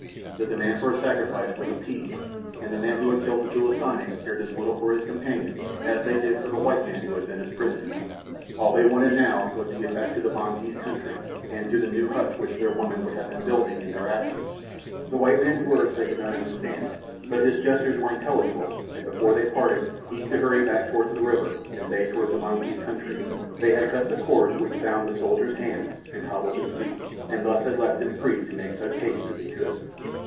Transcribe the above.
The demand for a sacrifice was appeased, and the men who had killed the "tulisane" cared as little for his companion as they did for the white man who had been his prisoner. All they wanted, now, was to get back to the Montese country, and to the new huts which their women would have been building in their absence. The white man's words they could not understand, but his gestures were intelligible, and before they parted, he to hurry back towards the river and they towards the Montese country, they had cut the cords which bound the soldier's hands and hobbled his feet, and thus had left him free to make such haste as he could.